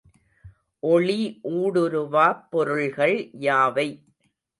ஒளி ஊடுருவாப் பொருள்கள் யாவை?